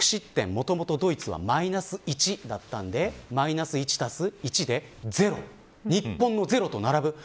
もともとドイツはマイナス１だったのでマイナス１足す１で０日本の０と並ぶ。